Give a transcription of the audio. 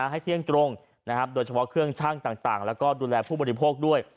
ให้เที่ยงตรงโดยเฉพาะเครื่องชั่งต่างแล้วก็ดูแลผู้บริโภคด้วย